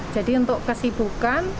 jadi untuk kesibukan